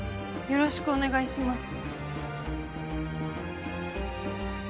よろしくお願いします。